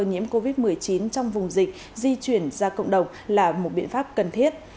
nhiễm covid một mươi chín trong vùng dịch di chuyển ra cộng đồng là một biện pháp cần thiết